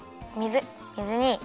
水水に。